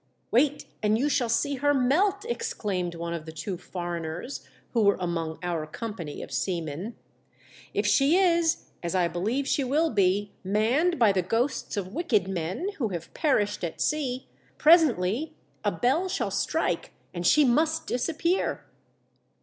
"Wait, and you shall see her melt!" ex claimed one of the two foreigners who were among our company of seamen. "If she Is, as I believe she will be, manned by the A CRUEL DISASTER BEFALLS ME. 'J 7^ ghosts of wicked men who have perished at sea, presently a bell shall strike, and she must disappear